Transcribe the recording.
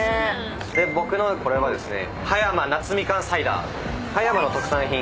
で僕のこれはですね。